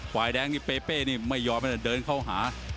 ขวายแดงนี่เป้เป้ไม่ยอมอันนี้เดินเข้าหา